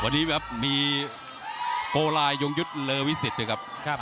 วันนี้ครับมีโปรลายยงยุทธ์เลอวิสิทธิ์นะครับ